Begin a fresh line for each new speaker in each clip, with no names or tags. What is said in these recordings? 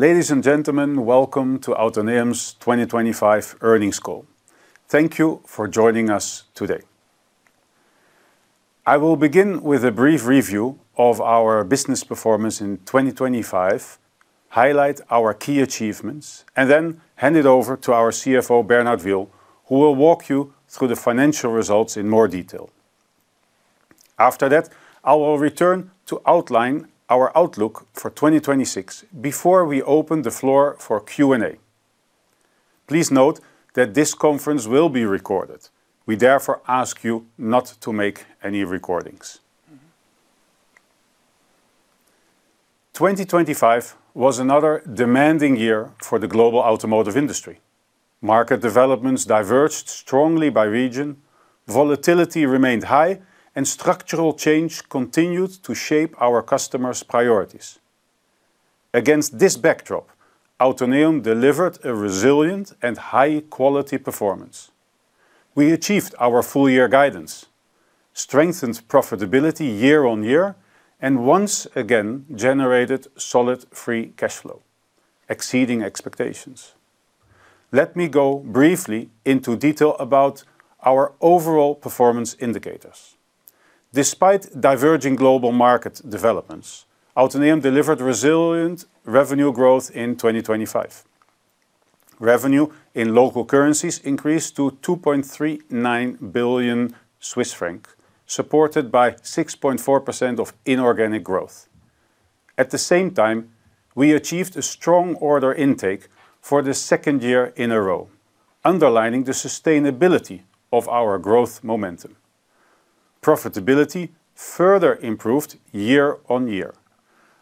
Ladies and gentlemen, welcome to Autoneum's 2025 earnings call. Thank you for joining us today. I will begin with a brief review of our business performance in 2025, highlight our key achievements, and then hand it over to our CFO, Bernhard Wiehl, who will walk you through the financial results in more detail. After that, I will return to outline our outlook for 2026 before we open the floor for Q&A. Please note that this conference will be recorded. We therefore ask you not to make any recordings. 2025 was another demanding year for the global automotive industry. Market developments diverged strongly by region, volatility remained high, and structural change continued to shape our customers' priorities. Against this backdrop, Autoneum delivered a resilient and high-quality performance. We achieved our full year guidance, strengthened profitability year-on-year, and once again generated solid free cash flow, exceeding expectations. Let me go briefly into detail about our overall performance indicators. Despite diverging global market developments, Autoneum delivered resilient revenue growth in 2025. Revenue in local currencies increased to 2.39 billion Swiss francs, supported by 6.4% of inorganic growth. At the same time, we achieved a strong order intake for the second year in a row, underlining the sustainability of our growth momentum. Profitability further improved year-on-year.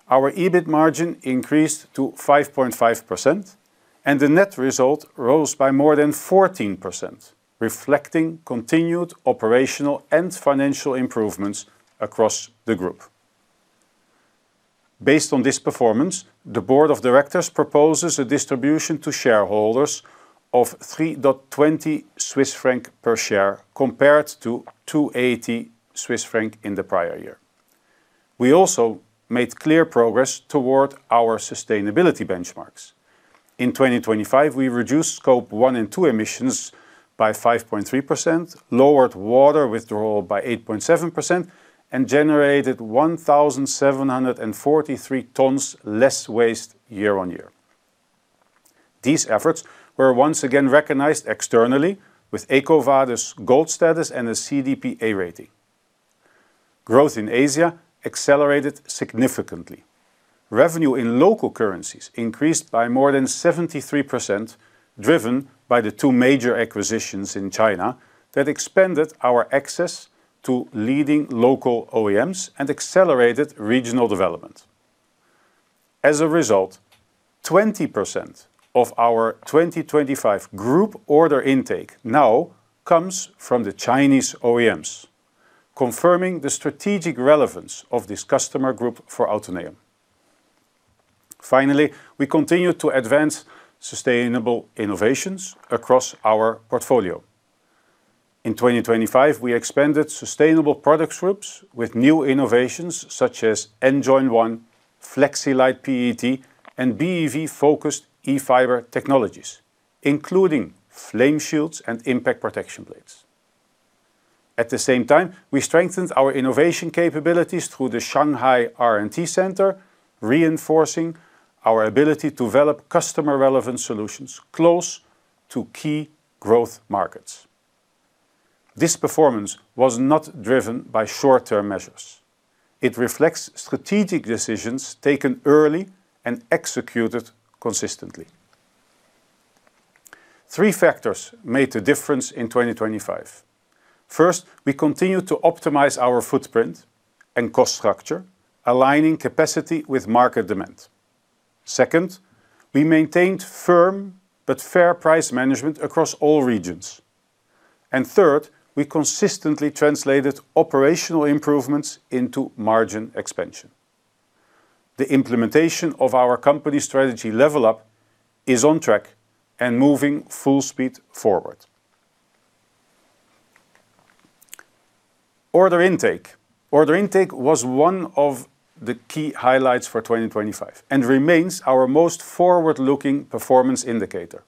Our EBIT margin increased to 5.5%, and the net result rose by more than 14%, reflecting continued operational and financial improvements across the group. Based on this performance, the board of directors proposes a distribution to shareholders of 3.20 Swiss franc per share compared to 2.80 Swiss franc in the prior year. We also made clear progress toward our sustainability benchmarks. In 2025, we reduced Scope one and two emissions by 5.3%, lowered water withdrawal by 8.7%, and generated 1,743 tonnes less waste year-on-year. These efforts were once again recognized externally with EcoVadis Gold status and a CDP A rating. Growth in Asia accelerated significantly. Revenue in local currencies increased by more than 73%, driven by the two major acquisitions in China that expanded our access to leading local OEMs and accelerated regional development. As a result, 20% of our 2025 group order intake now comes from the Chinese OEMs, confirming the strategic relevance of this customer group for Autoneum. Finally, we continue to advance sustainable innovations across our portfolio. In 2025, we expanded sustainable product groups with new innovations such as N-Join1, Flexi-Light PET, and BEV-focused E-Fiber technologies, including flame shields and impact protection plates. At the same time, we strengthened our innovation capabilities through the Shanghai R&D Center, reinforcing our ability to develop customer relevant solutions close to key growth markets. This performance was not driven by short-term measures. It reflects strategic decisions taken early and executed consistently. Three factors made the difference in 2025. First, we continued to optimize our footprint and cost structure, aligning capacity with market demand. Second, we maintained firm but fair price management across all regions. Third, we consistently translated operational improvements into margin expansion. The implementation of our company strategy Level Up is on track and moving full speed forward. Order intake. Order intake was one of the key highlights for 2025 and remains our most forward-looking performance indicator.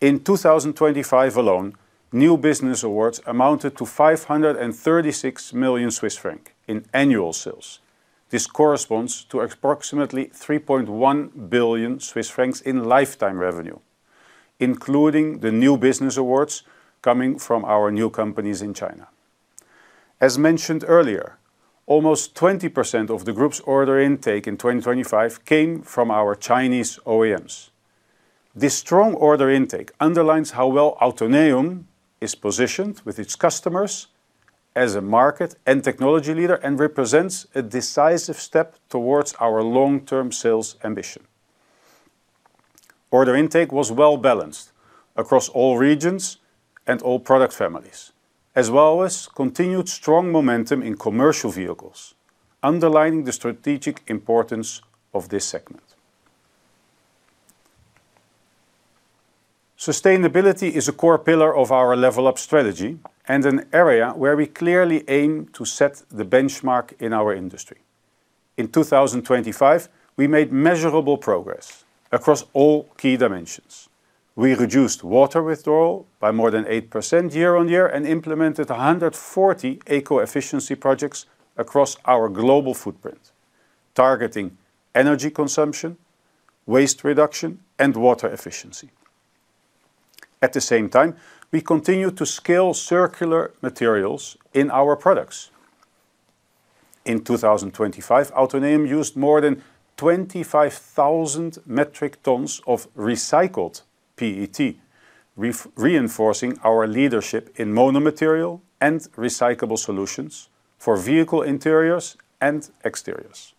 In 2025 alone, new business awards amounted to 536 million Swiss francs in annual sales. This corresponds to approximately 3.1 billion Swiss francs in lifetime revenue, including the new business awards coming from our new companies in China. As mentioned earlier, almost 20% of the group's order intake in 2025 came from our Chinese OEMs. This strong order intake underlines how well Autoneum is positioned with its customers as a market and technology leader and represents a decisive step towards our long-term sales ambition. Order intake was well-balanced across all regions and all product families, as well as continued strong momentum in commercial vehicles, underlining the strategic importance of this segment. Sustainability is a core pillar of our Level Up strategy and an area where we clearly aim to set the benchmark in our industry. In 2025, we made measurable progress across all key dimensions. We reduced water withdrawal by more than 8% year-on-year and implemented 140 eco-efficiency projects across our global footprint, targeting energy consumption, waste reduction, and water efficiency. At the same time, we continue to scale circular materials in our products. In 2025, Autoneum used more than 25,000 metric tons of recycled PET, reinforcing our leadership in monomaterial and recyclable solutions for vehicle interiors and exteriors.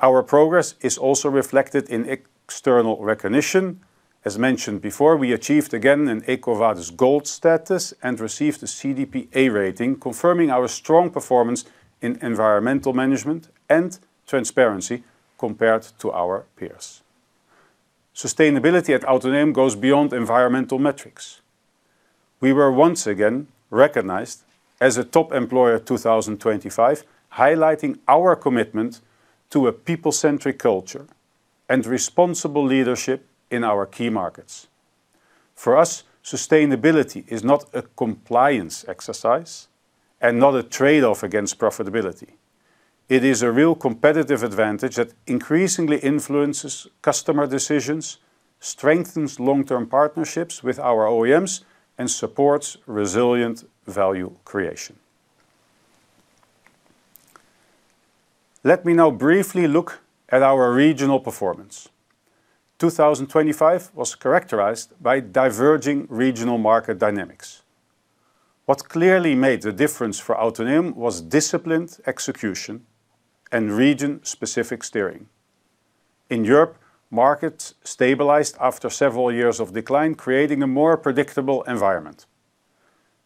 Our progress is also reflected in external recognition. As mentioned before, we achieved again an EcoVadis Gold status and received a CDP A rating, confirming our strong performance in environmental management and transparency compared to our peers. Sustainability at Autoneum goes beyond environmental metrics. We were once again recognized as a top employer 2025, highlighting our commitment to a people-centric culture and responsible leadership in our key markets. For us, sustainability is not a compliance exercise and not a trade-off against profitability. It is a real competitive advantage that increasingly influences customer decisions, strengthens long-term partnerships with our OEMs, and supports resilient value creation. Let me now briefly look at our regional performance. 2025 was characterized by diverging regional market dynamics. What clearly made the difference for Autoneum was disciplined execution and region-specific steering. In Europe, markets stabilized after several years of decline, creating a more predictable environment.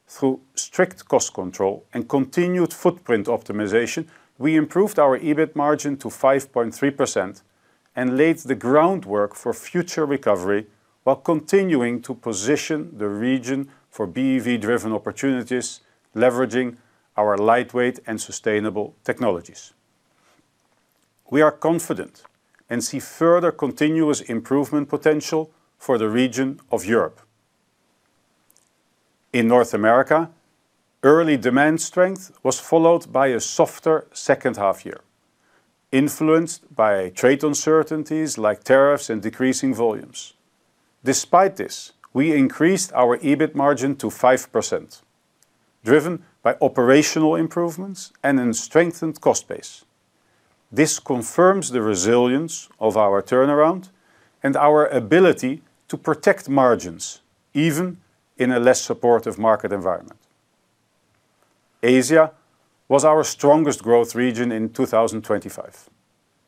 Through strict cost control and continued footprint optimization, we improved our EBIT margin to 5.3% and laid the groundwork for future recovery while continuing to position the region for BEV-driven opportunities, leveraging our lightweight and sustainable technologies. We are confident and see further continuous improvement potential for the region of Europe. In North America, early demand strength was followed by a softer second half year, influenced by trade uncertainties like tariffs and decreasing volumes. Despite this, we increased our EBIT margin to 5%, driven by operational improvements and a strengthened cost base. This confirms the resilience of our turnaround and our ability to protect margins even in a less supportive market environment. Asia was our strongest growth region in 2025.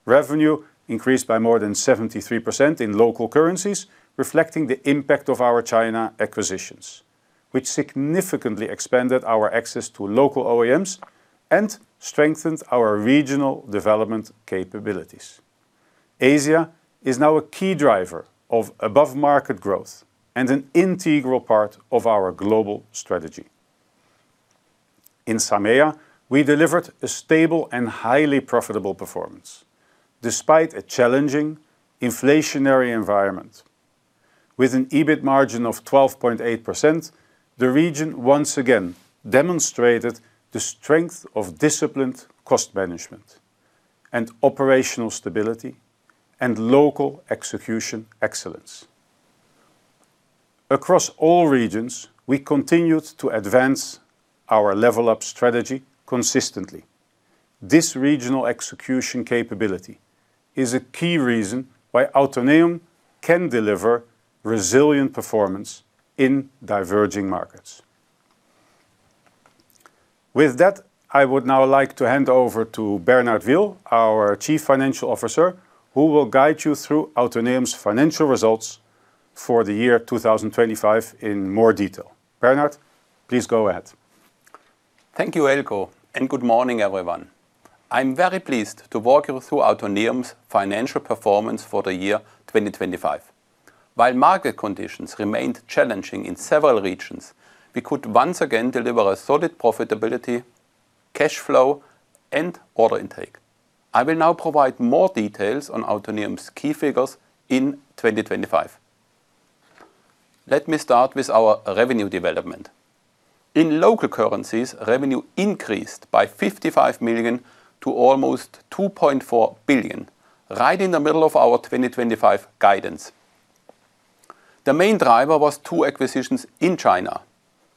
Revenue increased by more than 73% in local currencies, reflecting the impact of our China acquisitions, which significantly expanded our access to local OEMs and strengthened our regional development capabilities. Asia is now a key driver of above market growth and an integral part of our global strategy. In SAMEA, we delivered a stable and highly profitable performance, despite a challenging inflationary environment. With an EBIT margin of 12.8%, the region once again demonstrated the strength of disciplined cost management, and operational stability, and local execution excellence. Across all regions, we continued to advance our Level Up strategy consistently. This regional execution capability is a key reason why Autoneum can deliver resilient performance in diverging markets. With that, I would now like to hand over to Bernhard Wiehl, our Chief Financial Officer, who will guide you through Autoneum's financial results for the year 2025 in more detail. Bernhard, please go ahead.
Thank you, Eelco, and good morning, everyone. I'm very pleased to walk you through Autoneum's financial performance for the year 2025. While market conditions remained challenging in several regions, we could once again deliver a solid profitability, cash flow, and order intake. I will now provide more details on Autoneum's key figures in 2025. Let me start with our revenue development. In local currencies, revenue increased by 55 million to almost 2.4 billion, right in the middle of our 2025 guidance. The main driver was two acquisitions in China.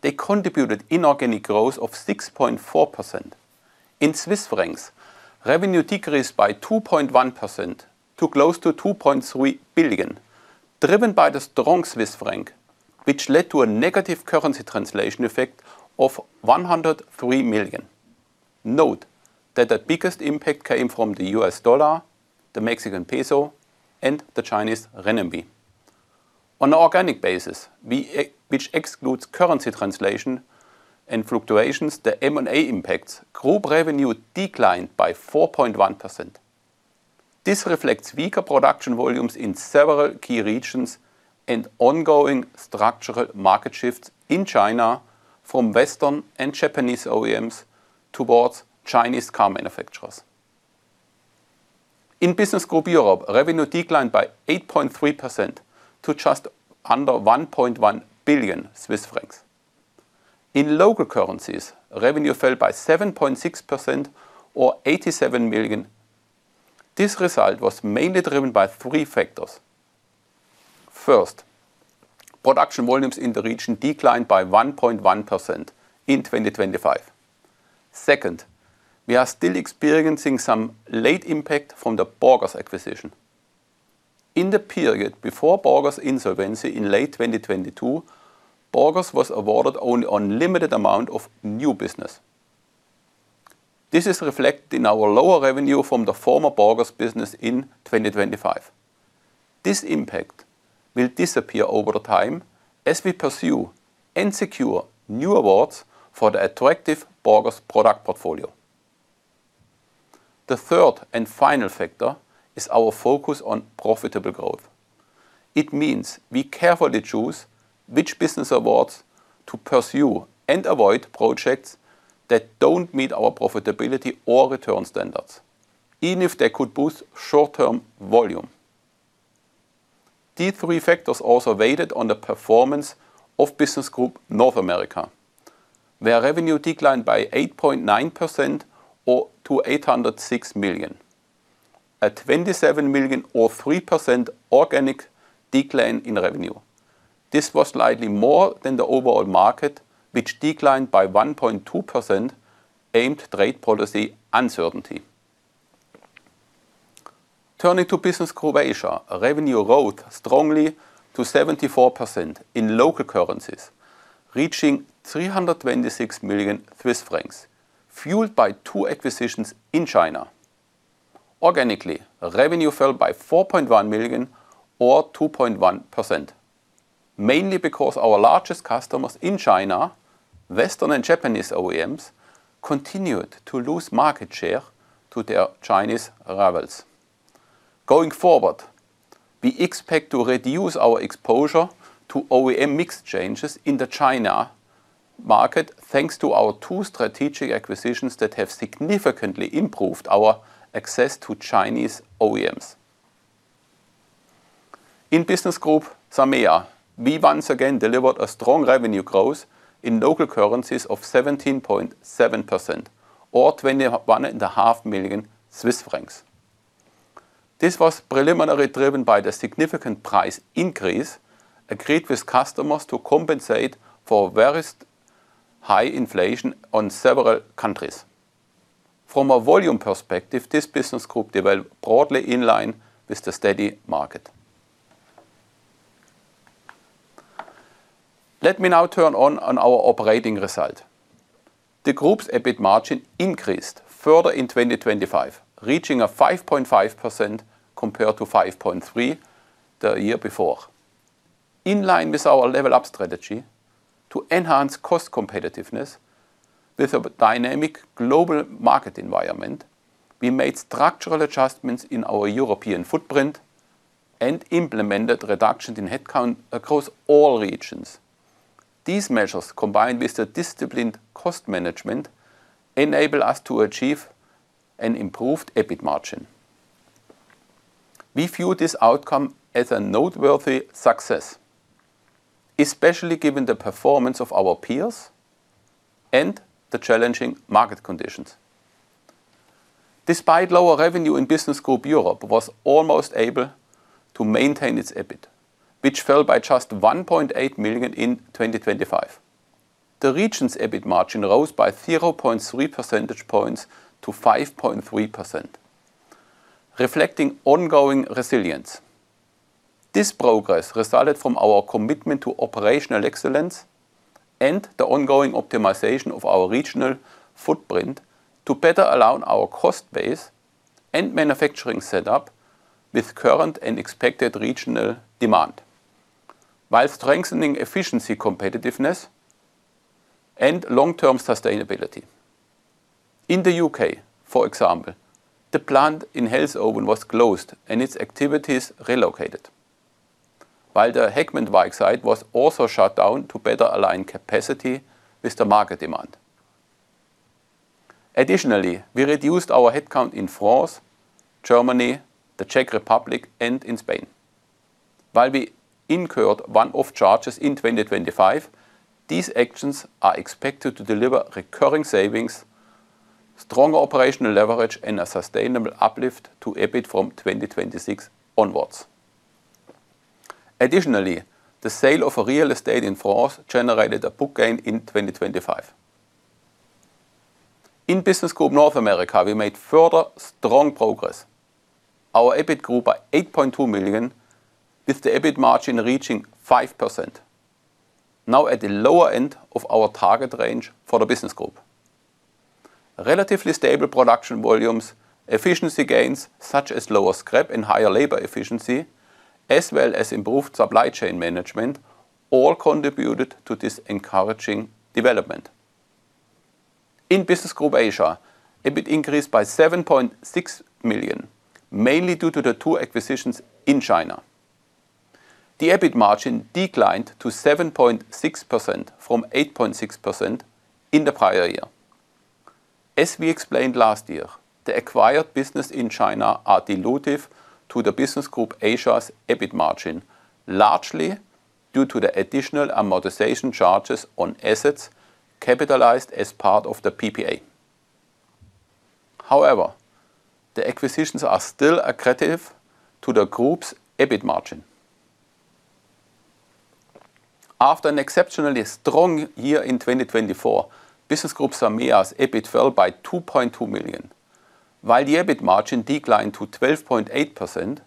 They contributed inorganic growth of 6.4%. In Swiss francs, revenue decreased by 2.1% to close to 2.3 billion, driven by the strong Swiss franc, which led to a negative currency translation effect of 103 million. Note that the biggest impact came from the U.S. dollar, the Mexican peso, and the Chinese RMB. On an organic basis, which excludes currency translation and fluctuations, the M&A impacts, group revenue declined by 4.1%. This reflects weaker production volumes in several key regions and ongoing structural market shifts in China from Western and Japanese OEMs towards Chinese car manufacturers. In Business Group Europe, revenue declined by 8.3% to just under 1.1 billion Swiss francs. In local currencies, revenue fell by 7.6% or 87 million. This result was mainly driven by three factors. First, production volumes in the region declined by 1.1% in 2025. Second, we are still experiencing some late impact from the Borgers acquisition. In the period before Borgers insolvency in late 2022, Borgers was awarded only a limited amount of new business. This is reflected in our lower revenue from the former Borgers business in 2025. This impact will disappear over time as we pursue and secure new awards for the attractive Borgers product portfolio. The third and final factor is our focus on profitable growth. It means we carefully choose which business awards to pursue and avoid projects that don't meet our profitability or return standards, even if they could boost short-term volume. These three factors also weighed on the performance of Business Group North America, where revenue declined by 8.9% to 806 million. A 27 million or 3% organic decline in revenue. This was slightly more than the overall market, which declined by 1.2%, amid trade policy uncertainty. Turning to Business Group Asia, revenue grew strongly to 74% in local currencies, reaching 326 million Swiss francs, fueled by two acquisitions in China. Organically, revenue fell by 4.1 million or 2.1%, mainly because our largest customers in China, Western and Japanese OEMs, continued to lose market share to their Chinese rivals. Going forward, we expect to reduce our exposure to OEM mix changes in the China market, thanks to our two strategic acquisitions that have significantly improved our access to Chinese OEMs. In Business Group SAMEA, we once again delivered a strong revenue growth in local currencies of 17.7% or 21.5 million Swiss francs. This was primarily driven by the significant price increase agreed with customers to compensate for very high inflation in several countries. From a volume perspective, this business group developed broadly in line with the steady market. Let me now turn to our operating result. The group's EBIT margin increased further in 2025, reaching 5.5% compared to 5.3% the year before. In line with our Level Up strategy to enhance cost competitiveness with a dynamic global market environment, we made structural adjustments in our European footprint and implemented reductions in headcount across all regions. These measures, combined with the disciplined cost management, enable us to achieve an improved EBIT margin. We view this outcome as a noteworthy success, especially given the performance of our peers and the challenging market conditions. Despite lower revenue, Business Group Europe was almost able to maintain its EBIT, which fell by just 1.8 million in 2025. The region's EBIT margin rose by 0.3 percentage points to 5.3%, reflecting ongoing resilience. This progress resulted from our commitment to operational excellence and the ongoing optimization of our regional footprint to better align our cost base and manufacturing setup with current and expected regional demand, while strengthening efficiency competitiveness and long-term sustainability. In the U.K., for example, the plant in Halesowen was closed and its activities relocated, while the Heckmondwike site was also shut down to better align capacity with the market demand. Additionally, we reduced our headcount in France, Germany, the Czech Republic, and in Spain. While we incurred one-off charges in 2025, these actions are expected to deliver recurring savings, stronger operational leverage, and a sustainable uplift to EBIT from 2026 onwards. Additionally, the sale of a real estate in France generated a book gain in 2025. In Business Group North America, we made further strong progress. Our EBIT grew by 8.2 million, with the EBIT margin reaching 5%, now at the lower end of our target range for the business group. Relatively stable production volumes, efficiency gains, such as lower scrap and higher labor efficiency, as well as improved supply chain management, all contributed to this encouraging development. In Business Group Asia, EBIT increased by 7.6 million, mainly due to the two acquisitions in China. The EBIT margin declined to 7.6% from 8.6% in the prior year. As we explained last year, the acquired business in China are dilutive to the Business Group Asia's EBIT margin, largely due to the additional amortization charges on assets capitalized as part of the PPA. However, the acquisitions are still accretive to the group's EBIT margin. After an exceptionally strong year in 2024, Business Group SAMEA's EBIT fell by 2.2 million. While the EBIT margin declined to 12.8%,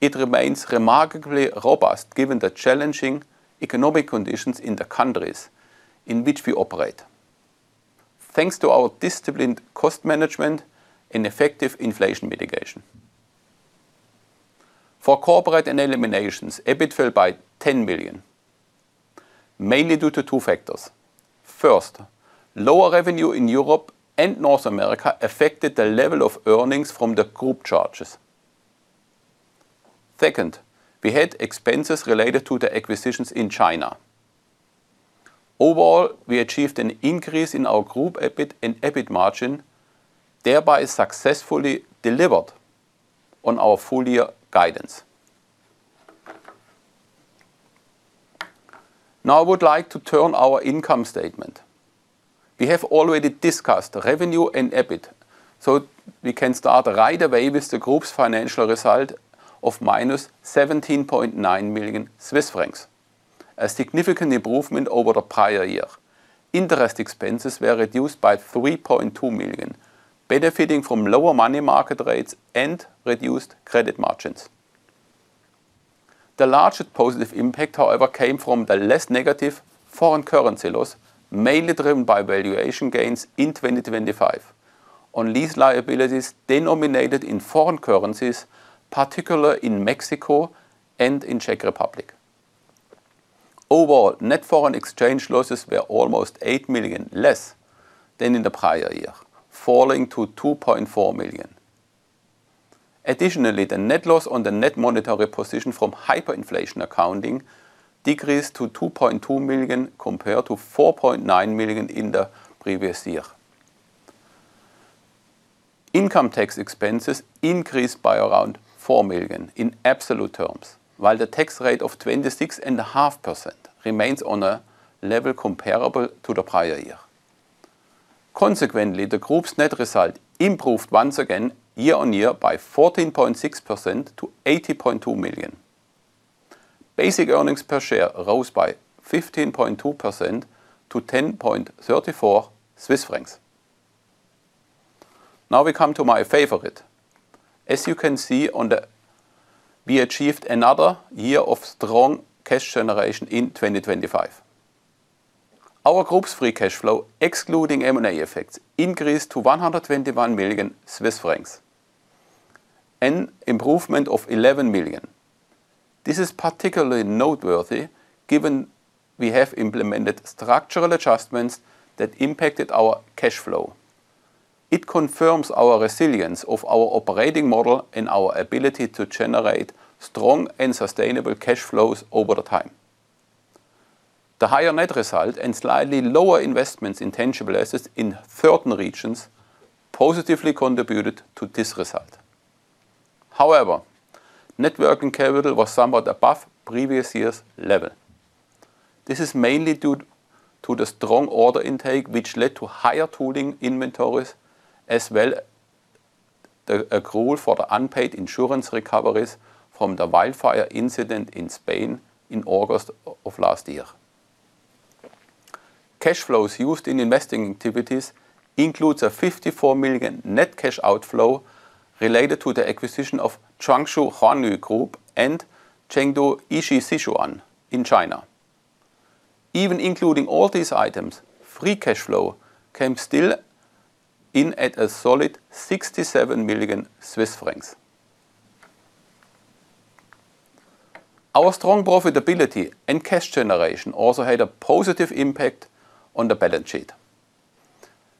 it remains remarkably robust given the challenging economic conditions in the countries in which we operate, thanks to our disciplined cost management and effective inflation mitigation. For corporate and eliminations, EBIT fell by 10 million, mainly due to two factors. First, lower revenue in Europe and North America affected the level of earnings from the group charges. Second, we had expenses related to the acquisitions in China. Overall, we achieved an increase in our group EBIT and EBIT margin, thereby successfully delivered on our full year guidance. Now I would like to turn to our income statement. We have already discussed revenue and EBIT, so we can start right away with the group's financial result of -17.9 million Swiss francs, a significant improvement over the prior year. Interest expenses were reduced by 3.2 million, benefiting from lower money market rates and reduced credit margins. The largest positive impact, however, came from the less negative foreign currency loss, mainly driven by valuation gains in 2025 on lease liabilities denominated in foreign currencies, particularly in Mexico and in Czech Republic. Overall, net foreign exchange losses were almost 8 million less than in the prior year, falling to 2.4 million. Additionally, the net loss on the net monetary position from hyperinflation accounting decreased to 2.2 million compared to 4.9 million in the previous year. Income tax expenses increased by around 4 million in absolute terms, while the tax rate of 26.5% remains on a level comparable to the prior year. Consequently, the group's net result improved once again year-on-year by 14.6% to 80.2 million. Basic earnings per share rose by 15.2% to 10.34 Swiss francs. Now we come to my favorite. We achieved another year of strong cash generation in 2025. Our group's free cash flow, excluding M&A effects, increased to 121 million Swiss francs, an improvement of 11 million. This is particularly noteworthy given we have implemented structural adjustments that impacted our cash flow. It confirms our resilience of our operating model and our ability to generate strong and sustainable cash flows over the time. The higher net result and slightly lower investments in tangible assets in certain regions positively contributed to this result. However, net working capital was somewhat above previous year's level. This is mainly due to the strong order intake, which led to higher tooling inventories, as well as the accrual for the unpaid insurance recoveries from the wildfire incident in Spain in August of last year. Cash flows used in investing activities include a 54 million net cash outflow related to the acquisition of Jiangsu Huanyu Group and Chengdu Yiqi-Sihuan in China. Even including all these items, free cash flow came still in at a solid 67 million Swiss francs. Our strong profitability and cash generation also had a positive impact on the balance sheet,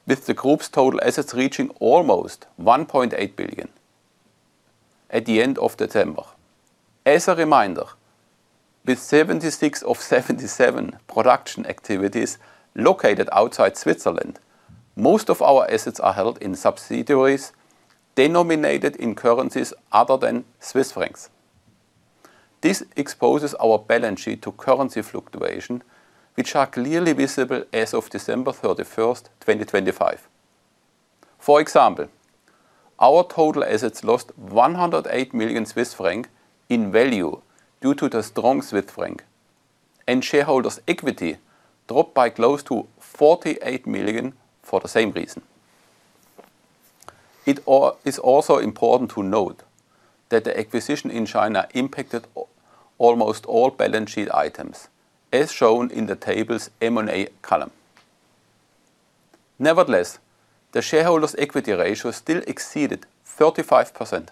with the group's total assets reaching almost 1.8 billion at the end of December. As a reminder, with 76 of 77 production activities located outside Switzerland, most of our assets are held in subsidiaries denominated in currencies other than Swiss francs. This exposes our balance sheet to currency fluctuations, which are clearly visible as of December 31, 2025. For example, our total assets lost 108 million Swiss franc in value due to the strong Swiss franc, and shareholders' equity dropped by close to 48 million for the same reason. It is also important to note that the acquisition in China impacted almost all balance sheet items, as shown in the table's M&A column. Nevertheless, the shareholders' equity ratio still exceeded 35%.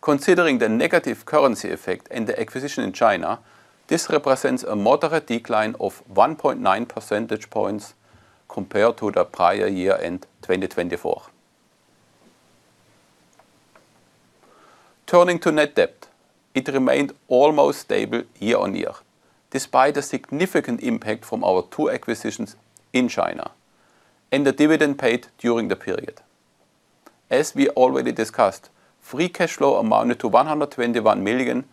Considering the negative currency effect and the acquisition in China, this represents a moderate decline of 1.9 percentage points compared to the prior year-end 2024. Turning to net debt, it remained almost stable year-on-year, despite a significant impact from our two acquisitions in China and the dividend paid during the period. As we already discussed, free cash flow amounted to 121 million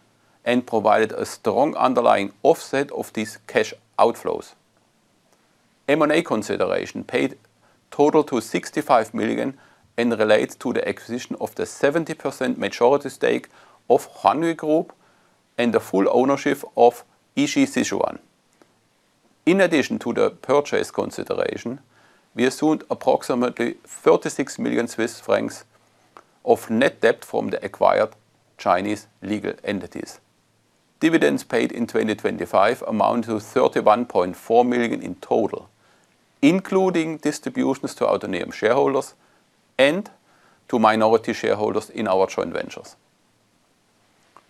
and provided a strong underlying offset of these cash outflows. M&A consideration paid total to 65 million and relates to the acquisition of the 70% majority stake of Jiangsu Huanyu Group and the full ownership of Chengdu Yiqi-Sihuan. In addition to the purchase consideration, we assumed approximately 36 million Swiss francs of net debt from the acquired Chinese legal entities. Dividends paid in 2025 amount to 31.4 million in total, including distributions to Autoneum shareholders and to minority shareholders in our joint ventures.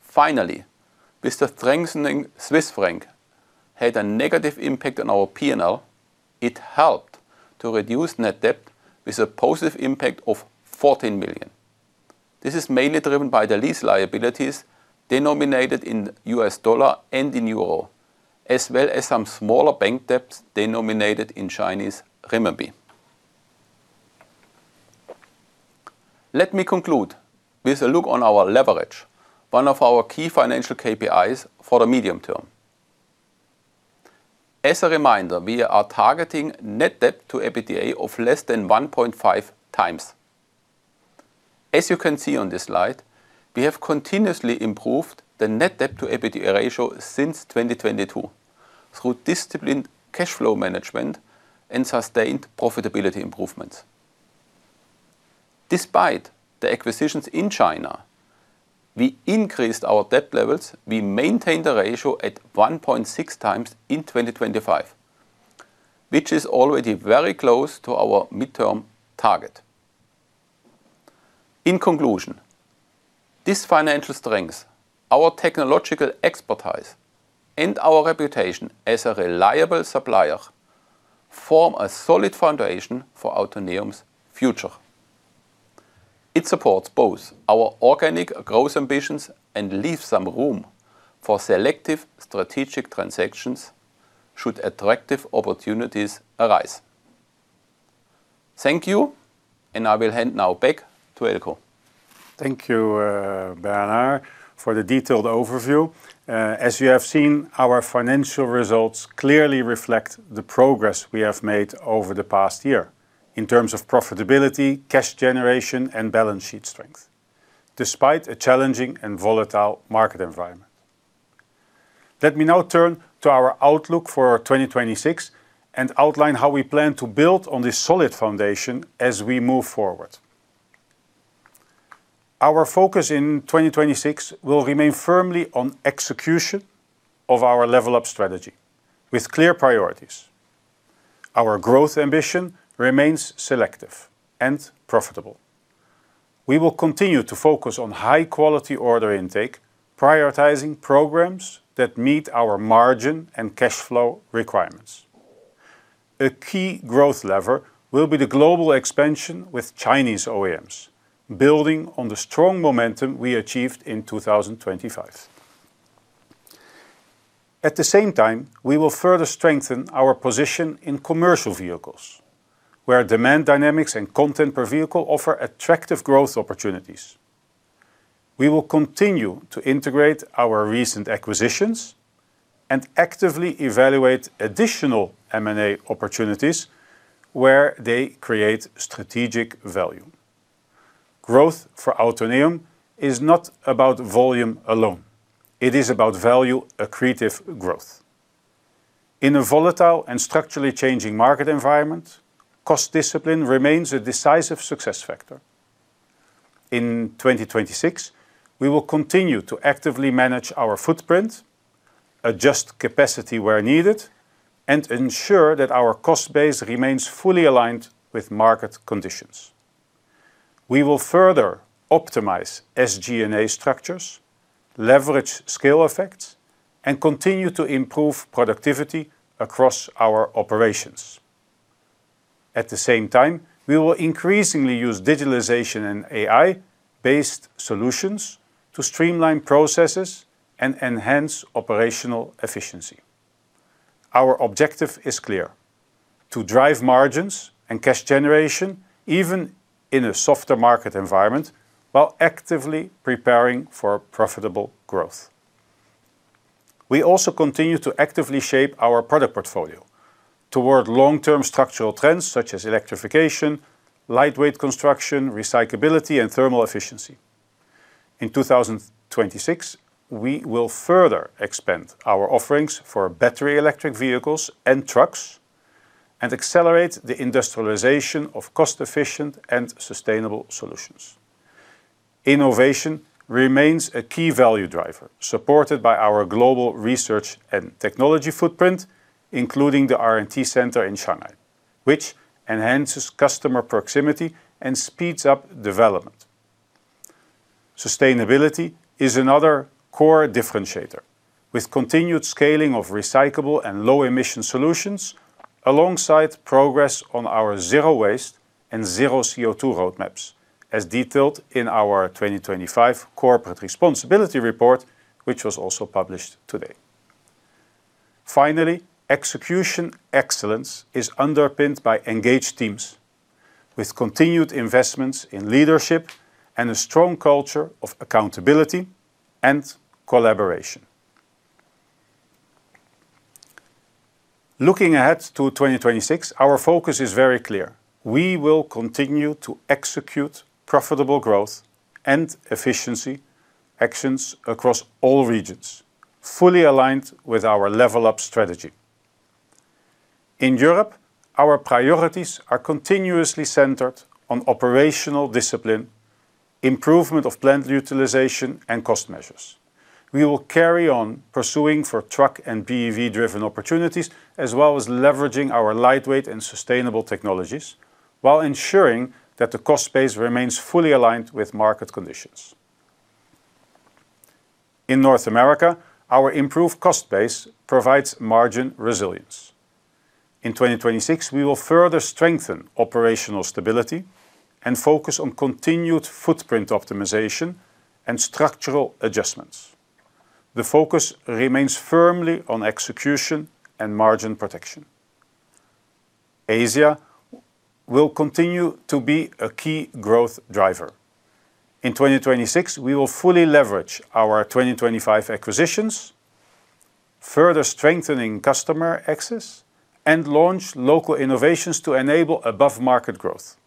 Finally, while the strengthening Swiss franc had a negative impact on our P&L, it helped to reduce net debt with a positive impact of 14 million. This is mainly driven by the lease liabilities denominated in U.S. dollar and in euro, as well as some smaller bank debts denominated in Chinese RMB. Let me conclude with a look on our leverage, one of our key financial KPIs for the medium term. As a reminder, we are targeting net debt to EBITDA of less than 1.5x. As you can see on this slide, we have continuously improved the net debt to EBITDA ratio since 2022 through disciplined cash flow management and sustained profitability improvements. Despite the acquisitions in China, we increased our debt levels. We maintained the ratio at 1.6x in 2025, which is already very close to our midterm target. In conclusion, this financial strength, our technological expertise, and our reputation as a reliable supplier form a solid foundation for Autoneum's future. It supports both our organic growth ambitions and leaves some room for selective strategic transactions should attractive opportunities arise. Thank you, and I will hand now back to Eelco.
Thank you, Bernhard, for the detailed overview. As you have seen, our financial results clearly reflect the progress we have made over the past year in terms of profitability, cash generation, and balance sheet strength, despite a challenging and volatile market environment. Let me now turn to our outlook for 2026 and outline how we plan to build on this solid foundation as we move forward. Our focus in 2026 will remain firmly on execution of our Level Up strategy with clear priorities. Our growth ambition remains selective and profitable. We will continue to focus on high quality order intake, prioritizing programs that meet our margin and cash flow requirements. A key growth lever will be the global expansion with Chinese OEMs, building on the strong momentum we achieved in 2025. At the same time, we will further strengthen our position in commercial vehicles, where demand dynamics and content per vehicle offer attractive growth opportunities. We will continue to integrate our recent acquisitions and actively evaluate additional M&A opportunities where they create strategic value. Growth for Autoneum is not about volume alone. It is about value-accretive growth. In a volatile and structurally changing market environment, cost discipline remains a decisive success factor. In 2026, we will continue to actively manage our footprint, adjust capacity where needed, and ensure that our cost base remains fully aligned with market conditions. We will further optimize SG&A structures, leverage scale effects, and continue to improve productivity across our operations. At the same time, we will increasingly use digitalization and AI-based solutions to streamline processes and enhance operational efficiency. Our objective is clear: to drive margins and cash generation, even in a softer market environment, while actively preparing for profitable growth. We also continue to actively shape our product portfolio toward long-term structural trends such as electrification, lightweight construction, recyclability, and thermal efficiency. In 2026, we will further expand our offerings for battery electric vehicles and trucks and accelerate the industrialization of cost efficient and sustainable solutions. Innovation remains a key value driver, supported by our global research and technology footprint, including the R&T center in Shanghai, which enhances customer proximity and speeds up development. Sustainability is another core differentiator, with continued scaling of recyclable and low emission solutions alongside progress on our zero waste and zero CO₂ roadmaps, as detailed in our 2025 corporate responsibility report, which was also published today. Finally, execution excellence is underpinned by engaged teams with continued investments in leadership and a strong culture of accountability and collaboration. Looking ahead to 2026, our focus is very clear. We will continue to execute profitable growth and efficiency actions across all regions, fully aligned with our Level Up strategy. In Europe, our priorities are continuously centered on operational discipline, improvement of plant utilization, and cost measures. We will carry on pursuing for truck and BEV-driven opportunities, as well as leveraging our lightweight and sustainable technologies while ensuring that the cost base remains fully aligned with market conditions. In North America, our improved cost base provides margin resilience. In 2026, we will further strengthen operational stability and focus on continued footprint optimization and structural adjustments. The focus remains firmly on execution and margin protection. Asia will continue to be a key growth driver. In 2026, we will fully leverage our 2025 acquisitions, further strengthening customer access, and launch local innovations to enable above market growth.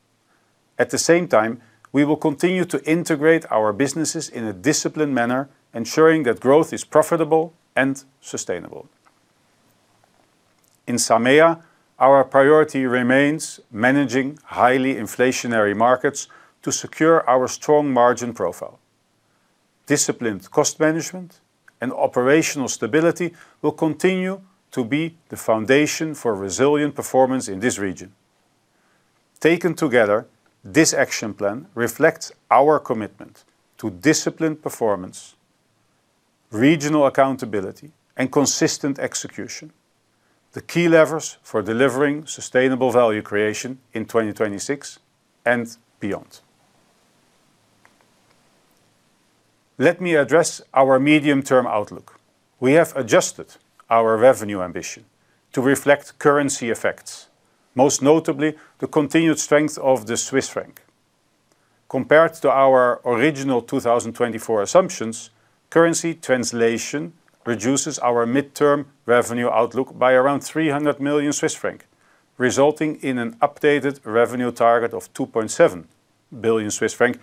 At the same time, we will continue to integrate our businesses in a disciplined manner, ensuring that growth is profitable and sustainable. In SAMEA, our priority remains managing highly inflationary markets to secure our strong margin profile. Disciplined cost management and operational stability will continue to be the foundation for resilient performance in this region. Taken together, this action plan reflects our commitment to disciplined performance, regional accountability, and consistent execution, the key levers for delivering sustainable value creation in 2026 and beyond. Let me address our medium-term outlook. We have adjusted our revenue ambition to reflect currency effects, most notably the continued strength of the Swiss franc. Compared to our original 2024 assumptions, currency translation reduces our midterm revenue outlook by around 300 million Swiss franc, resulting in an updated revenue target of 2.7 billion Swiss franc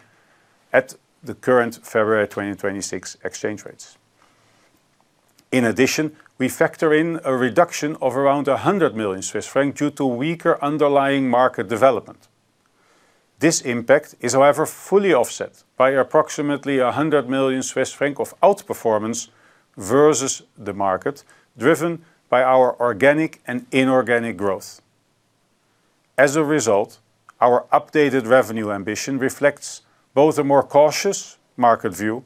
at the current February 2026 exchange rates. In addition, we factor in a reduction of around 100 million Swiss francs due to weaker underlying market development. This impact is, however, fully offset by approximately 100 million Swiss francs of outperformance versus the market driven by our organic and inorganic growth. As a result, our updated revenue ambition reflects both a more cautious market view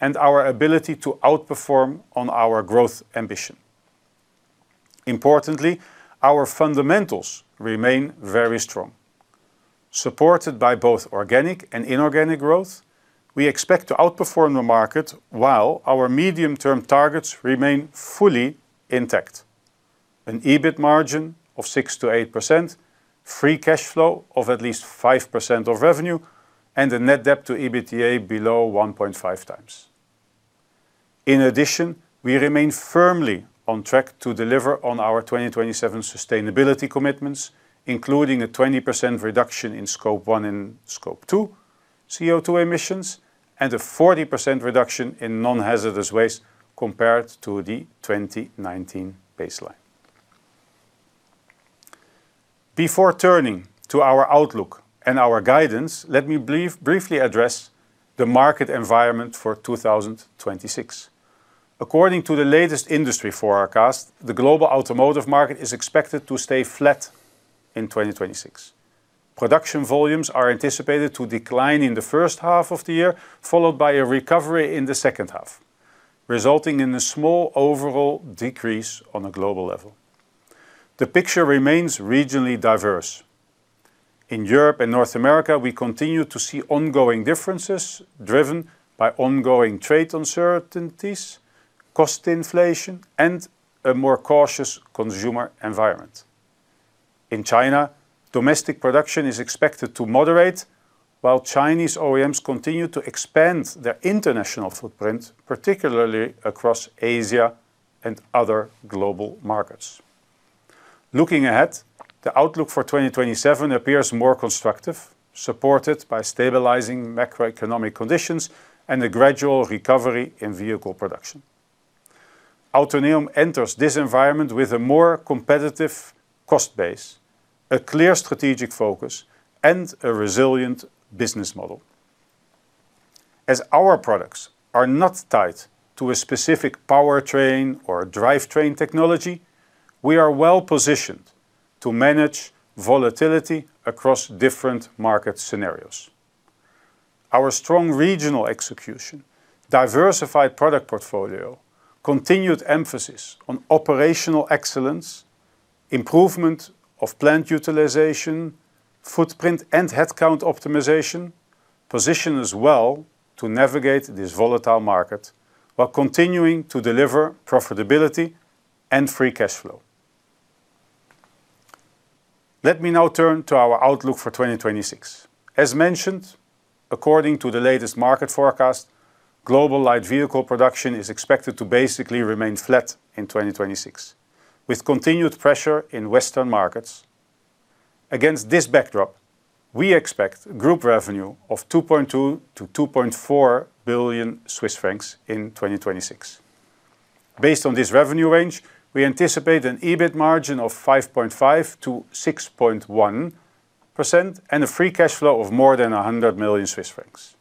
and our ability to outperform on our growth ambition. Importantly, our fundamentals remain very strong. Supported by both organic and inorganic growth, we expect to outperform the market while our medium-term targets remain fully intact. An EBIT margin of 6%-8%, free cash flow of at least 5% of revenue, and a net debt to EBITDA below 1.5x. In addition, we remain firmly on track to deliver on our 2027 sustainability commitments, including a 20% reduction in scope one and scope two CO₂ emissions, and a 40% reduction in non-hazardous waste compared to the 2019 baseline. Before turning to our outlook and our guidance, let me briefly address the market environment for 2026. According to the latest industry forecast, the global automotive market is expected to stay flat in 2026. Production volumes are anticipated to decline in the first half of the year, followed by a recovery in the second half, resulting in a small overall decrease on a global level. The picture remains regionally diverse. In Europe and North America, we continue to see ongoing differences driven by ongoing trade uncertainties, cost inflation, and a more cautious consumer environment. In China, domestic production is expected to moderate, while Chinese OEMs continue to expand their international footprint, particularly across Asia and other global markets. Looking ahead, the outlook for 2027 appears more constructive, supported by stabilizing macroeconomic conditions and a gradual recovery in vehicle production. Autoneum enters this environment with a more competitive cost base, a clear strategic focus, and a resilient business model. As our products are not tied to a specific powertrain or a drivetrain technology, we are well-positioned to manage volatility across different market scenarios. Our strong regional execution, diversified product portfolio, continued emphasis on operational excellence, improvement of plant utilization, footprint and headcount optimization position us well to navigate this volatile market while continuing to deliver profitability and free cash flow. Let me now turn to our outlook for 2026. As mentioned, according to the latest market forecast, global light vehicle production is expected to basically remain flat in 2026, with continued pressure in Western markets. Against this backdrop, we expect group revenue of 2.2 billion-2.4 billion Swiss francs in 2026. Based on this revenue range, we anticipate an EBIT margin of 5.5%-6.1% and a free cash flow of more than 100 million Swiss francs.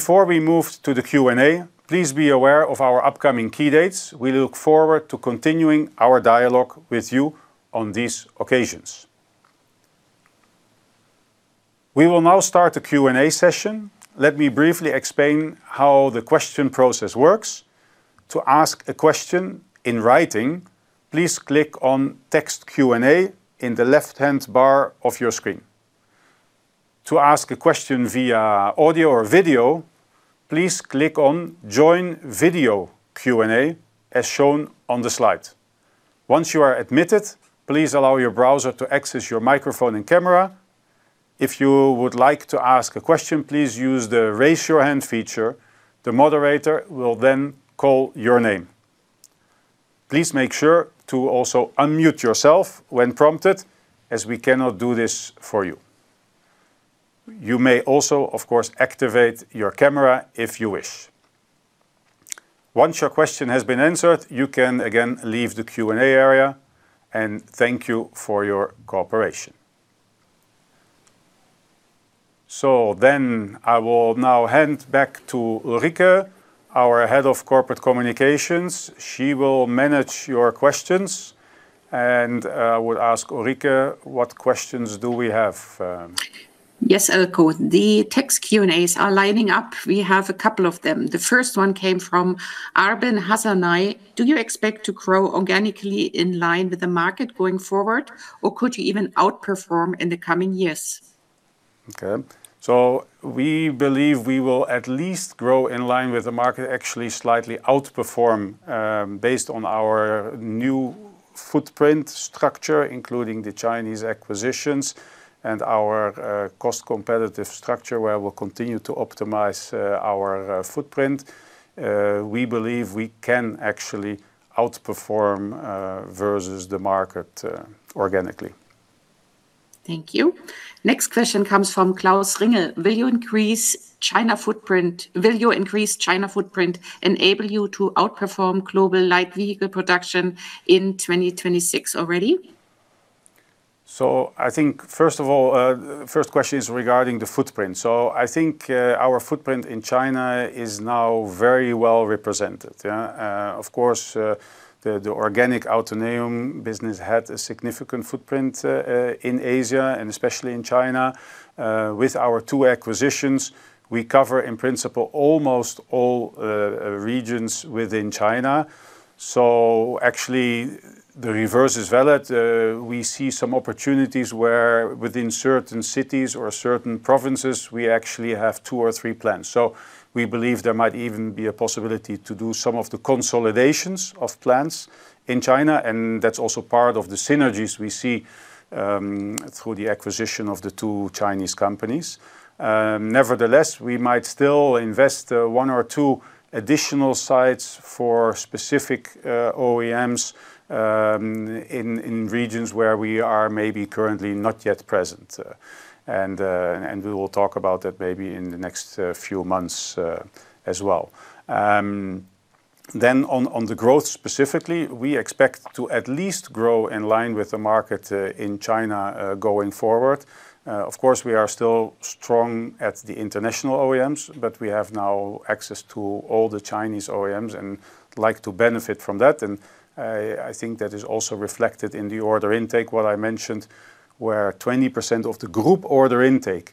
Before we move to the Q&A, please be aware of our upcoming key dates. We look forward to continuing our dialogue with you on these occasions. We will now start the Q&A session. Let me briefly explain how the question process works. To ask a question in writing, please click on Text Q&A in the left-hand bar of your screen. To ask a question via audio or video, please click on Join Video Q&A as shown on the slide. Once you are admitted, please allow your browser to access your microphone and camera. If you would like to ask a question, please use the Raise Your Hand feature. The moderator will then call your name. Please make sure to also unmute yourself when prompted, as we cannot do this for you. You may also, of course, activate your camera if you wish. Once your question has been answered, you can again leave the Q&A area, and thank you for your cooperation. I will now hand back to Ulrike, our head of corporate communications. She will manage your questions, and I would ask Ulrike what questions do we have.
Yes, Eelco. The text Q&As are lining up. We have a couple of them. The first one came from Arben Hasanaj: Do you expect to grow organically in line with the market going forward, or could you even outperform in the coming years?
Okay. We believe we will at least grow in line with the market, actually slightly outperform, based on our new footprint structure, including the Chinese acquisitions and our cost competitive structure, where we'll continue to optimize our footprint. We believe we can actually outperform versus the market organically.
Thank you. Next question comes from Klaus Ringel: Will increasing China footprint enable you to outperform global light vehicle production in 2026 already?
I think, first of all, first question is regarding the footprint. I think our footprint in China is now very well represented. Of course, the organic Autoneum business had a significant footprint in Asia and especially in China. With our two acquisitions, we cover, in principle, almost all regions within China. Actually the reverse is valid. We see some opportunities where within certain cities or certain provinces, we actually have two or three plants. We believe there might even be a possibility to do some of the consolidations of plants in China, and that's also part of the synergies we see through the acquisition of the two Chinese companies. Nevertheless, we might still invest one or two additional sites for specific OEMs in regions where we are maybe currently not yet present. We will talk about that maybe in the next few months as well. Then on the growth specifically, we expect to at least grow in line with the market in China going forward. Of course, we are still strong at the international OEMs, but we have now access to all the Chinese OEMs and like to benefit from that. I think that is also reflected in the order intake, what I mentioned, where 20% of the group order intake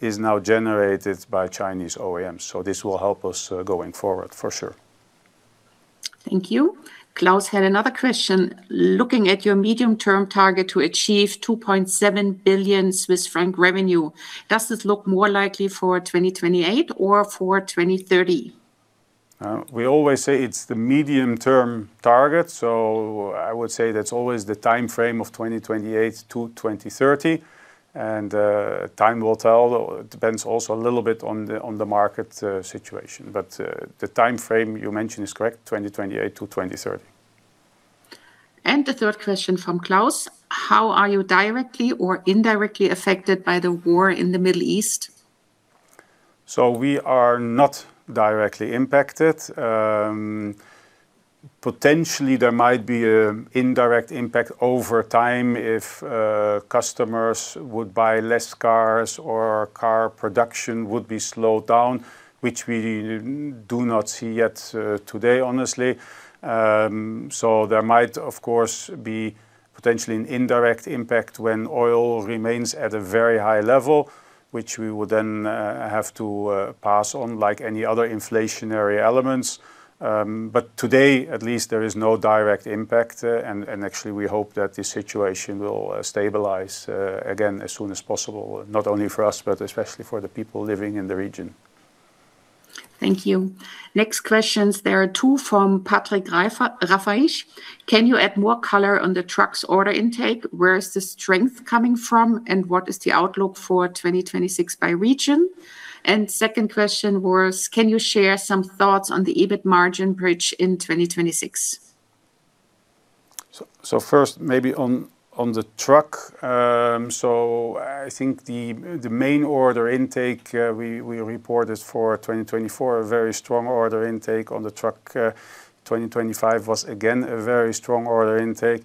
is now generated by Chinese OEMs. This will help us going forward for sure.
Thank you. Klaus had another question: Looking at your medium-term target to achieve 2.7 billion Swiss franc revenue, does this look more likely for 2028 or for 2030?
We always say it's the medium-term target, so I would say that's always the timeframe of 2028 to 2030. Time will tell. It depends also a little bit on the market situation. The timeframe you mentioned is correct, 2028 to 2030.
The third question from Klaus: How are you directly or indirectly affected by the war in the Middle East?
We are not directly impacted. Potentially there might be an indirect impact over time if customers would buy less cars or car production would be slowed down, which we do not see yet today, honestly. There might, of course, be potentially an indirect impact when oil remains at a very high level, which we would then have to pass on like any other inflationary elements. Today, at least there is no direct impact. And actually, we hope that the situation will stabilize again as soon as possible, not only for us, but especially for the people living in the region.
Thank you. Next questions, there are two from Patrick Rafaisz. Can you add more color on the trucks order intake? Where is the strength coming from, and what is the outlook for 2026 by region? Second question was, can you share some thoughts on the EBIT margin bridge in 2026?
First maybe on the truck. I think the main order intake we reported for 2024, a very strong order intake on the truck. 2025 was again a very strong order intake.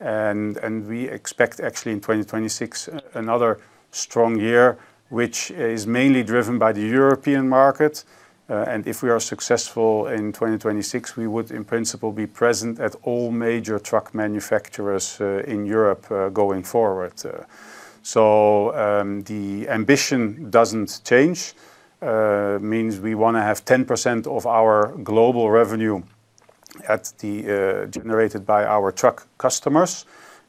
We expect actually in 2026, another strong year, which is mainly driven by the European market. If we are successful in 2026, we would in principle be present at all major truck manufacturers in Europe going forward. The ambition doesn't change. Means we wanna have 10% of our global revenue generated by our truck customers.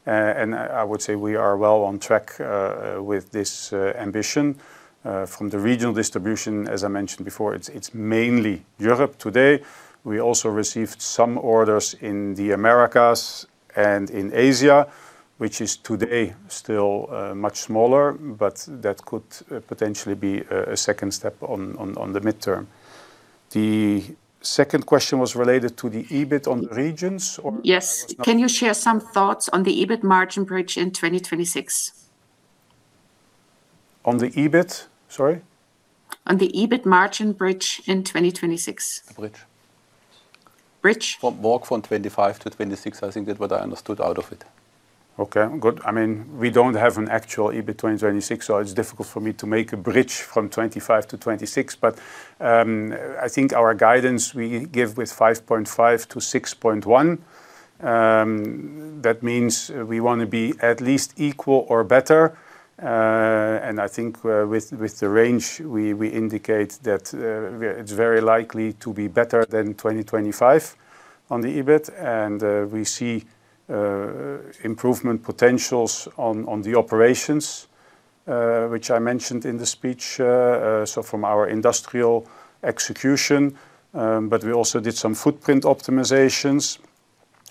I would say we are well on track with this ambition. From the regional distribution, as I mentioned before, it's mainly Europe today. We also received some orders in the Americas and in Asia, which is today still much smaller, but that could potentially be a second step on the midterm. The second question was related to the EBIT on regions or-
Yes. Can you share some thoughts on the EBIT margin bridge in 2026?
On the EBIT? Sorry.
On the EBIT margin bridge in 2026.
A bridge.
Bridge.
Walk from 2025 to 2026. I think that's what I understood out of it.
Okay, good. I mean, we don't have an actual EBIT 2026, so it's difficult for me to make a bridge from 2025 to 2026. I think our guidance we give with 5.5%-6.1%, that means we wanna be at least equal or better. And I think, with the range, we indicate that, it's very likely to be better than 2025 on the EBIT. And, we see, improvement potentials on the operations, which I mentioned in the speech, so from our industrial execution. We also did some footprint optimizations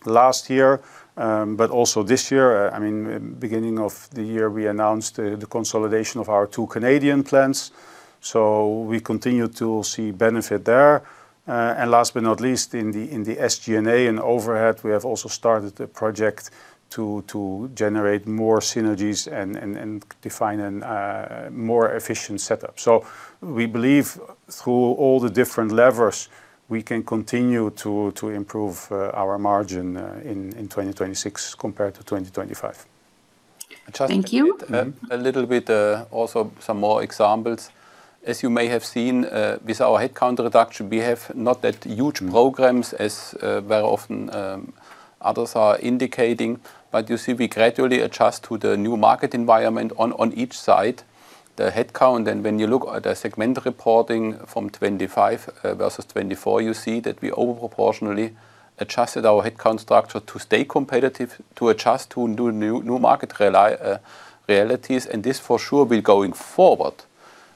last year, but also this year. I mean, beginning of the year, we announced the consolidation of our two Canadian plants, so we continue to see benefit there. Last but not least, in the SG&A and overhead, we have also started a project to generate more synergies and define a more efficient setup. We believe through all the different levers, we can continue to improve our margin in 2026 compared to 2025.
Thank you.
A little bit, also some more examples. As you may have seen, with our headcount reduction, we have not that huge programs as, very often, others are indicating. You see, we gradually adjust to the new market environment on each side. The headcount, and when you look at the segment reporting from 2025, versus 2024, you see that we proportionally adjusted our headcount structure to stay competitive, to adjust to new market realities. This for sure will, going forward,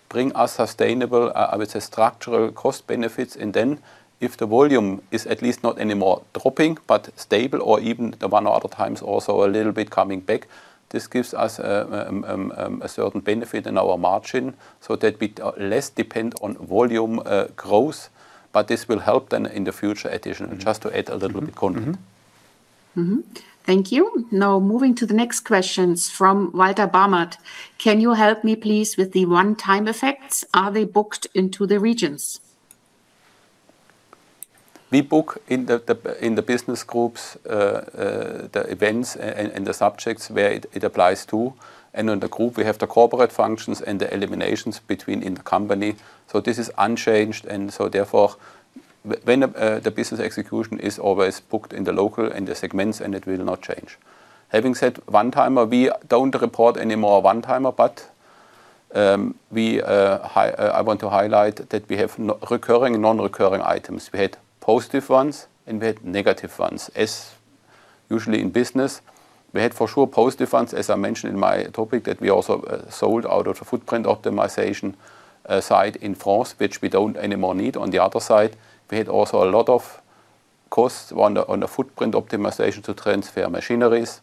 bring us sustainable, I would say structural cost benefits. Then if the volume is at least not anymore dropping, but stable or even the one or other times also a little bit coming back, this gives us, a certain benefit in our margin. That we less depend on volume growth, but this will help then in the future addition. Just to add a little bit comment.
Thank you. Now moving to the next questions from Walter Bamert. Can you help me, please, with the one-time effects? Are they booked into the regions?
We book in the business groups the events and the subjects where it applies to. On the group, we have the corporate functions and the intercompany eliminations in the company. This is unchanged. The business exception is always booked in the local and the segments and it will not change. Having said that, we don't report any more one-timers, but I want to highlight that we have non-recurring and non-recurring items. We had positive ones and we had negative ones. As usual in business, we had for sure positive ones, as I mentioned in my topic, that we also sold out of the footprint optimization site in France, which we don't need anymore. On the other side, we had also a lot of costs on the footprint optimization to transfer machineries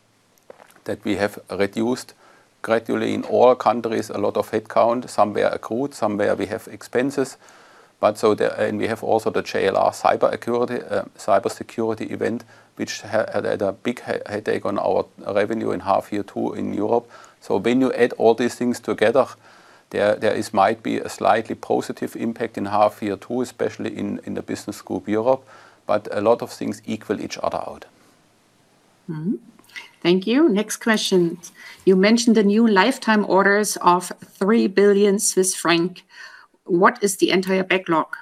that we have reduced gradually in all countries, a lot of headcount. Somewhere accrued, somewhere we have expenses. We have also the JLR cybersecurity event, which had a big headache on our revenue in half year two in Europe. When you add all these things together, there might be a slightly positive impact in half year two, especially in the Business Group Europe, but a lot of things equal each other out.
Thank you. Next question. You mentioned the new lifetime orders of 3 billion Swiss franc. What is the entire backlog?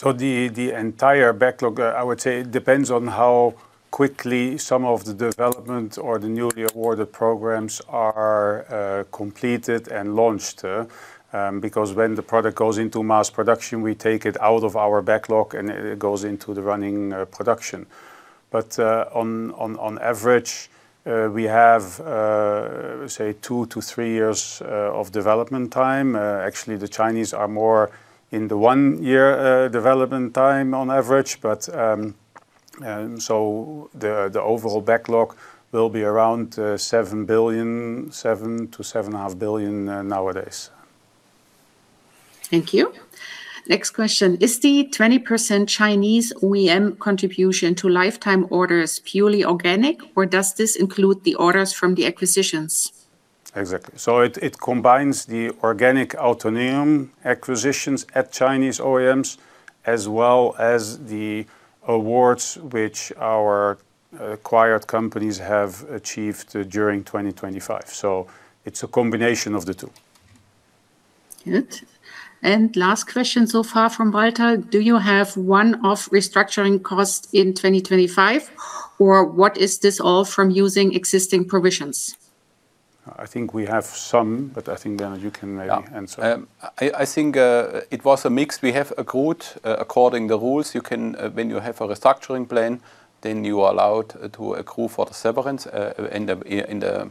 The entire backlog, I would say it depends on how quickly some of the development or the newly awarded programs are completed and launched. Because when the product goes into mass production, we take it out of our backlog, and it goes into the running production. On average, we have, say, two to three years of development time. Actually, the Chinese are more in the one-year development time on average. The overall backlog will be around 7 billion, 7-7.5 billion nowadays.
Thank you. Next question. Is the 20% Chinese OEM contribution to lifetime orders purely organic, or does this include the orders from the acquisitions?
Exactly. It combines the organic Autoneum acquisitions at Chinese OEMs, as well as the awards which our acquired companies have achieved during 2025. It's a combination of the two.
Good. Last question so far from Walter. Do you have one-off restructuring costs in 2025, or what is this all from using existing provisions?
I think we have some, but I think, Bernhard, you can maybe answer.
Yeah. I think it was a mix. We have accrued according the rules. You can. When you have a restructuring plan, then you are allowed to accrue for the severance in the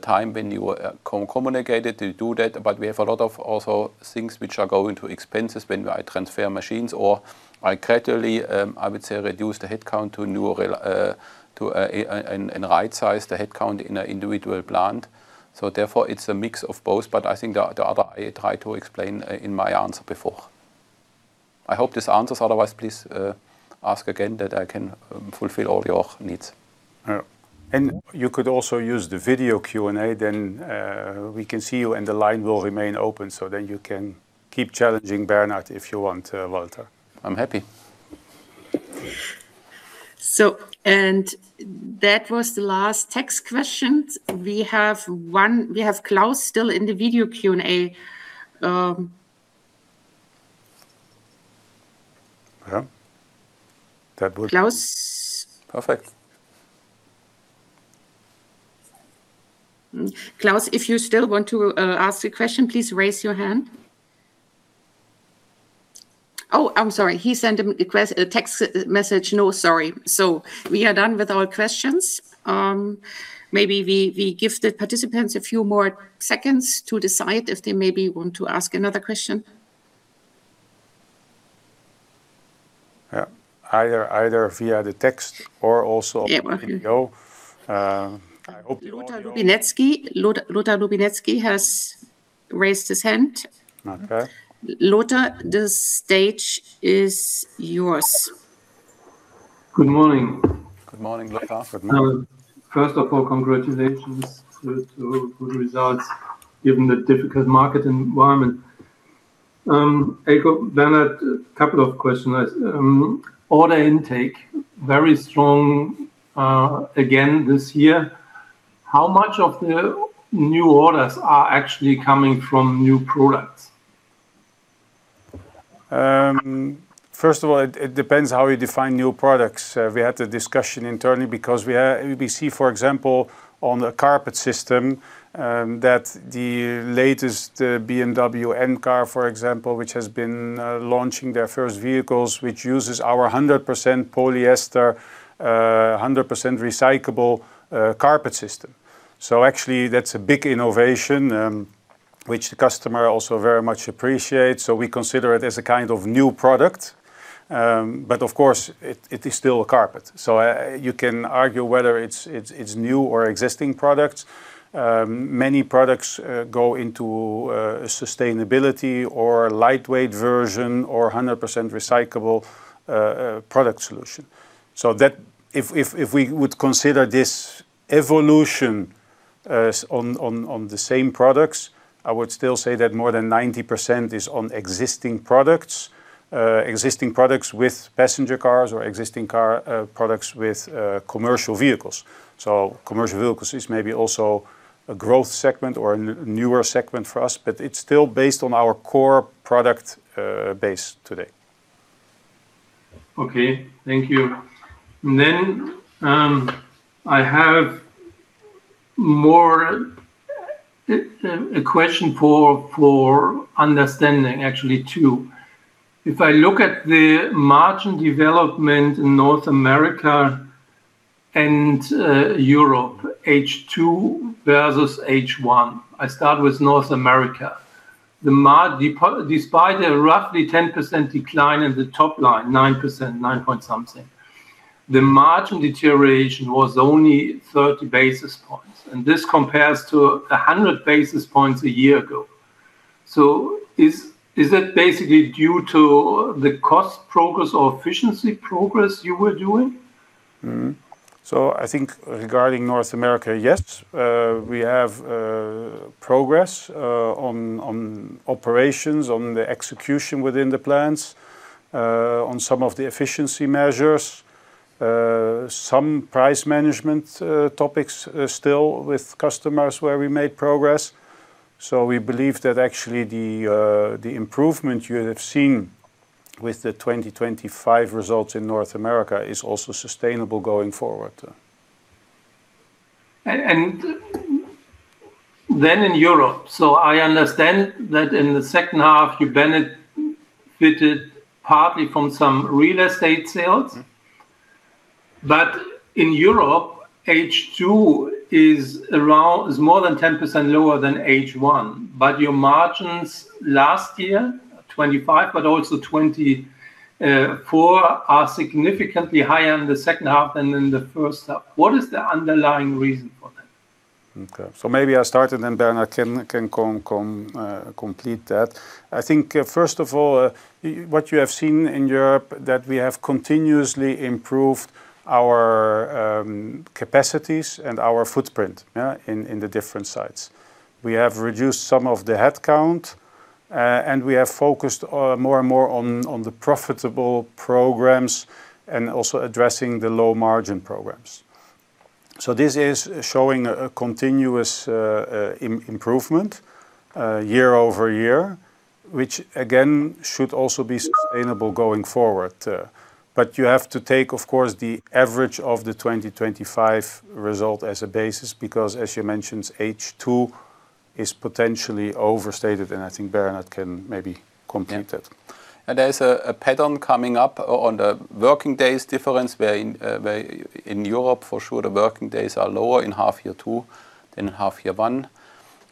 time when you communicated to do that. But we have a lot of also things which are going to expenses when I transfer machines or I carefully I would say reduce the headcount to new and right size the headcount in a individual plant. Therefore, it's a mix of both, but I think the other I tried to explain in my answer before. I hope this answers. Otherwise, please ask again that I can fulfill all your needs.
You could also use the video Q&A, then we can see you, and the line will remain open, so then you can keep challenging Bernhard if you want, Walter.
I'm happy.
That was the last text questions. We have Klaus still in the video Q&A.
Yeah.
Klaus?
Perfect.
Klaus, if you still want to ask a question, please raise your hand. Oh, I'm sorry. He sent a text message. No, sorry. We are done with our questions. Maybe we give the participants a few more seconds to decide if they maybe want to ask another question.
Yeah. Either via the text or also the video.
Yeah. Mm-hmm.
I hope you all know.
Lothar Lubinetzki. Lothar Lubinetzki has raised his hand.
Okay.
Lothar, the stage is yours.
Good morning.
Good morning, Lothar.
First of all, congratulations to good results, given the difficult market environment. Eelco, Bernhard, a couple of questions. Order intake, very strong, again this year. How much of the new orders are actually coming from new products?
First of all, it depends how you define new products. We had a discussion internally because we see, for example, on the carpet system, that the latest BMW M car, for example, which has been launching their first vehicles, which uses our 100% polyester, 100% recyclable carpet system. Actually, that's a big innovation, which the customer also very much appreciates, so we consider it as a kind of new product. But of course, it is still a carpet. You can argue whether it's new or existing products. Many products go into a sustainability or lightweight version or a 100% recyclable product solution. If we would consider this evolution on the same products, I would still say that more than 90% is on existing products, existing products with passenger cars or existing car products with commercial vehicles. Commercial vehicles is maybe also a growth segment or a newer segment for us, but it is still based on our core product base today.
Okay. Thank you. I have more. A question for understanding, actually two. If I look at the margin development in North America and Europe, H2 versus H1, I start with North America. Despite a roughly 10% decline in the top line, 9, nine-point-something. The margin deterioration was only 30 basis points, and this compares to 100 basis points a year ago. Is that basically due to the cost progress or efficiency progress you were doing?
I think regarding North America, yes, we have progress on operations, on the execution within the plants, on some of the efficiency measures. Some price management topics still with customers where we made progress. We believe that actually the improvement you have seen with the 2025 results in North America is also sustainable going forward.
In Europe, so I understand that in the second half, you benefited partly from some real estate sales.
Mm-hmm.
In Europe, H2 is more than 10% lower than H1. Your margins last year,2025 but also 2024, are significantly higher in the second half than in the first half. What is the underlying reason for that?
Okay. Maybe I'll start and then Bernhard can complete that. I think, first of all, what you have seen in Europe that we have continuously improved our capacities and our footprint in the different sites. We have reduced some of the headcount and we have focused more and more on the profitable programs and also addressing the low margin programs. This is showing a continuous improvement year-over-year, which again should also be sustainable going forward. You have to take, of course, the average of the 2025 result as a basis, because as you mentioned, H2 is potentially overstated, and I think Bernhard can maybe complete it.
Yeah. There's a pattern coming up on the working days difference, where in Europe for sure the working days are lower in half year two than half year one.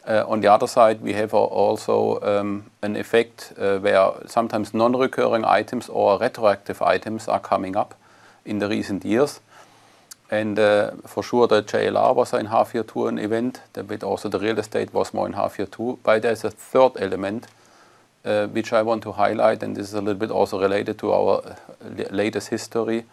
On the other side, we have also an effect, where sometimes non-recurring items or retroactive items are coming up in the recent years. For sure, the JLR was in half year two an event, but also the real estate was more in half year two. There's a third element, which I want to highlight, and this is a little bit also related to our latest history.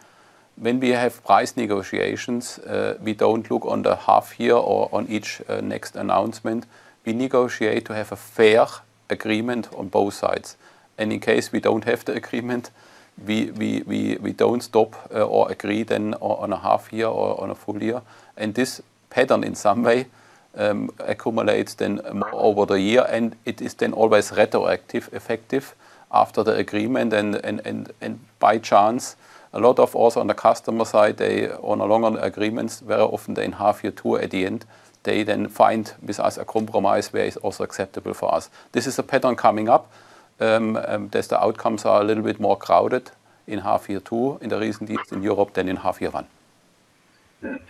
When we have price negotiations, we don't look on the half year or on each next announcement. We negotiate to have a fair agreement on both sides. In case we don't have the agreement, we don't stop or agree then on a half year or on a full year. This pattern, in some way, accumulates then over the year, and it is then always retroactive effective after the agreement. By chance, a lot of also on the customer side, they on long-run agreements, very often in half year two at the end, they then find with us a compromise where is also acceptable for us. This is a pattern coming up, as the outcomes are a little bit more crowded in half year two in the recent years in Europe than in half year one.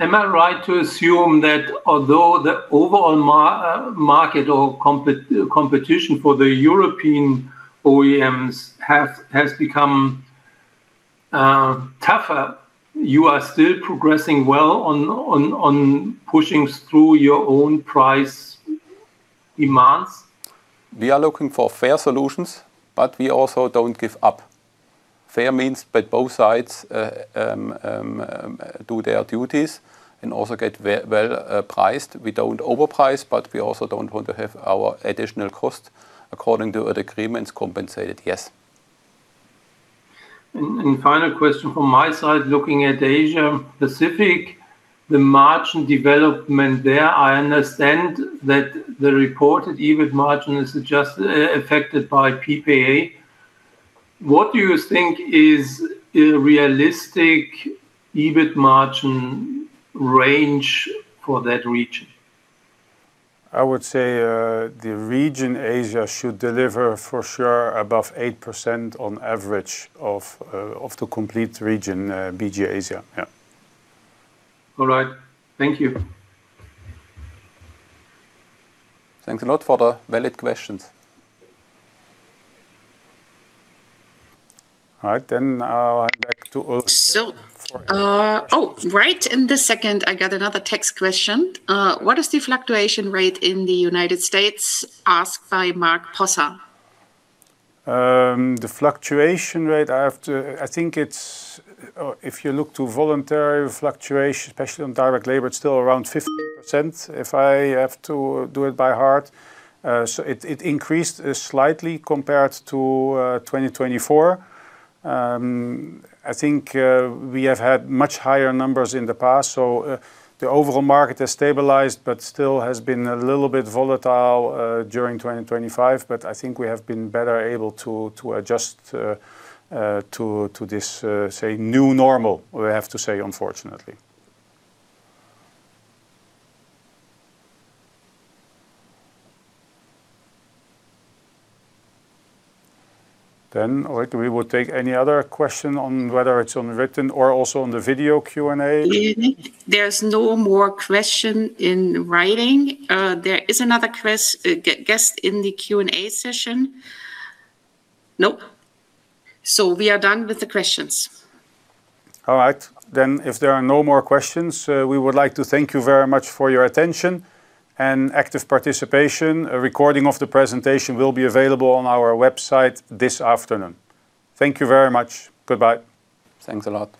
Am I right to assume that although the overall market or competition for the European OEMs has become tougher, you are still progressing well on pushing through your own price demands?
We are looking for fair solutions, but we also don't give up. Fair means both sides do their duties and also get well priced. We don't overprice, but we also don't want to have our additional cost according to the agreements compensated. Yes.
Final question from my side. Looking at Asia Pacific, the margin development there, I understand that the reported EBIT margin is just affected by PPA. What do you think is a realistic EBIT margin range for that region?
I would say, the region Asia should deliver for sure above 8% on average of the complete region, BG Asia. Yeah.
All right. Thank you.
Thanks a lot for the valid questions.
All right. I'm back to Ulrike.
Oh, right in this second, I got another text question. "What is the fluctuation rate in the United States?" Asked by Marc Maurer.
The fluctuation rate, I think it's, if you look to voluntary fluctuation, especially on direct labor, it's still around 50%, if I have to do it by heart. It increased slightly compared to 2024. I think we have had much higher numbers in the past. The overall market has stabilized, but still has been a little bit volatile during 2025. I think we have been better able to adjust to this, say, new normal we have to say, unfortunately. Ulrike, we will take any other question on whether it's on written or also on the video Q&A.
There's no more questions in writing. There is another question in the Q&A session. Nope. We are done with the questions.
All right. If there are no more questions, we would like to thank you very much for your attention and active participation. A recording of the presentation will be available on our website this afternoon. Thank you very much. Goodbye.
Thanks a lot.